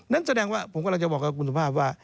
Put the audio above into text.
นั่นแสดงว่าผมกำลังจะบอกกับคุณสุภาพว่า